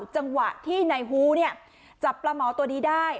จังหวะที่นายฮูจับปลาหมอตัวนี้ได้